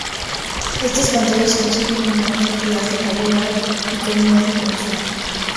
Estas pantallas consiguen imágenes de alta calidad y con un bajo consumo.